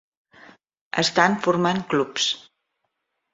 Estan formant clubs.